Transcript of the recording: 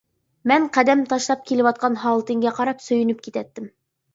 مەن قەدەم تاشلاپ كېلىۋاتقان ھالىتىڭگە قاراپ سۆيۈنۈپ كېتەتتىم.